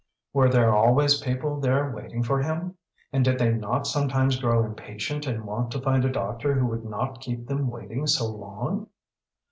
Were there always people there waiting for him and did they not sometimes grow impatient and want to find a doctor who would not keep them waiting so long?